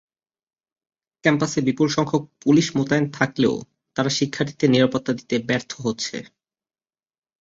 ক্যাম্পাসে বিপুলসংখ্যক পুলিশ মোতায়েন থাকলেও তারা শিক্ষার্থীদের নিরাপত্তা দিতে ব্যর্থ হচ্ছে।